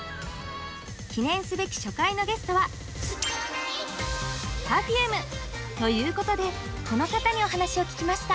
記念すべき初回のゲストはＰｅｒｆｕｍｅということでこの方にお話を聞きました。